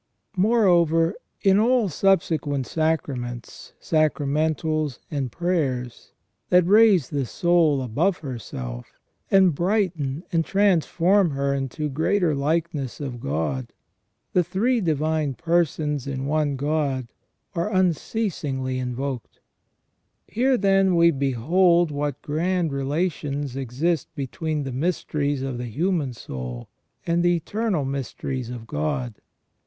Moreover, in all subsequent sacraments, sacramentals, and prayers, that raise the soul above herself, and brighten and transform her into greater likeness of God, the three Divine Persons in one God are unceasingly invoked. • De Divinis Nominibus, c. ix. 24 ON THE NATURE OF MAN. Here then we behold what grand relations exist between the mysteries of the human soul and the eternal mysteries of God.